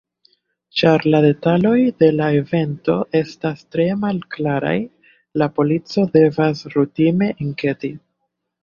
Ĉar la detaloj de la evento estas tre malklaraj, la polico devas rutine enketi.